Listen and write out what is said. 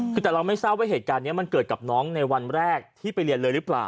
คือแต่เราไม่ทราบว่าเหตุการณ์นี้มันเกิดกับน้องในวันแรกที่ไปเรียนเลยหรือเปล่า